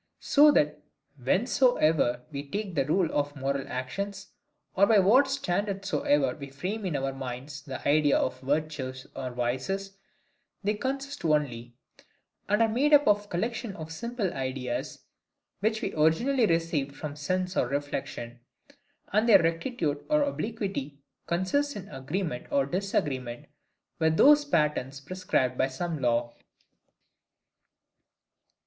So that whencesoever we take the rule of moral actions; or by what standard soever we frame in our minds the ideas of virtues or vices, they consist only, and are made up of collections of simple ideas, which we originally received from sense or reflection: and their rectitude or obliquity consists in the agreement or disagreement with those patterns prescribed by some law.